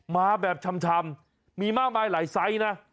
มาแบบชำมีมากมายหลายไซส์นะ